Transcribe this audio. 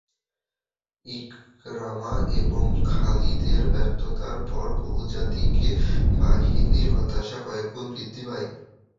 ইকরামা এবং খালিদের ব্যর্থতার পর বহুজাতিক বাহিনীর হতাশা কয়েকগুণ বৃদ্ধি পায়।